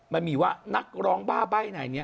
มันมีว่านักร้องบ้าใบ้นายนี้